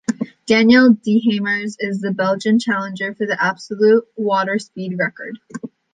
Daniel Dehaemers is the Belgian challenger for the absolute water speed record.